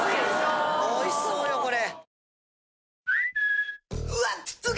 おいしそうよこれ。